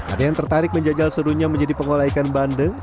ada yang tertarik menjajal serunya menjadi pengolah ikan bandeng